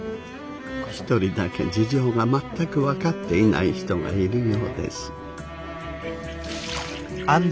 １人だけ事情が全く分かっていない人がいるようです。